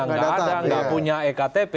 nggak ada nggak punya ektp